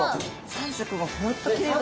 ３色が本当きれいだ。